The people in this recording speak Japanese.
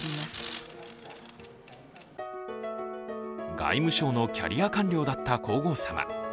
外務省のキャリア官僚だった皇后さま。